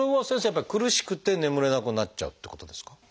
やっぱり苦しくて眠れなくなっちゃうっていうことですか？